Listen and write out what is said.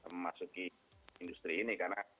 memasuki industri ini karena